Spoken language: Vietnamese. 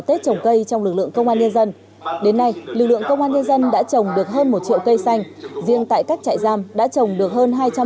tết trồng cây trong lực lượng công an nhân dân đến nay lực lượng công an nhân dân đã trồng được hơn một triệu cây xanh